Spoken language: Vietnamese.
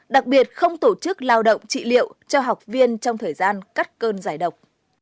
đặc biệt không tổ chức lao động trị liệu cho học viên trong thời gian cắt cơn giải độc